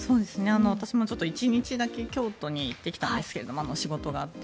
私もちょっと１日だけ京都に行ってきたんですけど仕事があって。